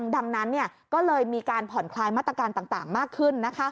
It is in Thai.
ดังนั้นก็เลยมีการผ่อนคลายมาตรการต่างมากขึ้น